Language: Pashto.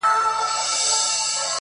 د څپو د زور یې نه ول مړوندونه؛